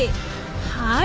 はい！